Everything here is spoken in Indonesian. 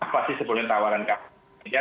pasti sebelumnya tawaran kepolisian